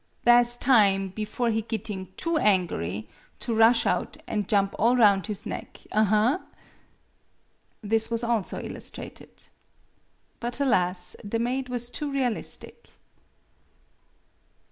Tha' 's time, bifore he gitting too angery, to rush out, an' jump all roun' his neck, aha!" This was also illustrated. But, alas ! the maid was too realistic.